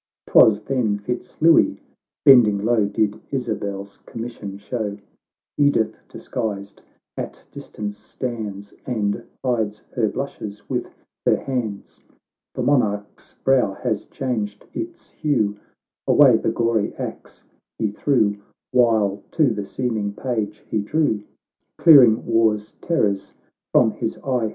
— JTwas then Fitz Louis, bending low, Did Isabel's commission show ; Edith, disguised, at distance stands, And hides her blushes with her hands. The monarch's brow has changed its hue, Away the gory axe he threw, While to the seeming page he drew, Clearing war's terrors from his eye.